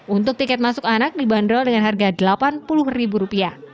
untuk tiket masuk anak dibanderol dengan harga delapan puluh ribu rupiah